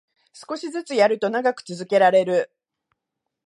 少しずつやると長く続けられる